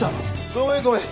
ごめんごめん。